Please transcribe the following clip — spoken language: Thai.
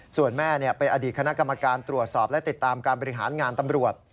ส่วนแม่เป็นอดีตคณะกรรมการตรวจสอบและติดตามการบริหารงานตำรวจ